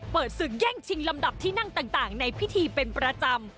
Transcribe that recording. ศึกแย่งชิงลำดับที่นั่งต่างในพิธีเป็นประจำ